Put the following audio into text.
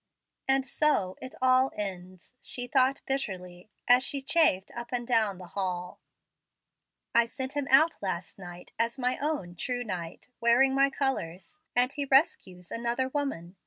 "And so it all ends," she thought bitterly, as she chafed up and down the hall. "I sent him out last night as my own 'true knight,' wearing my colors, and he rescues another woman.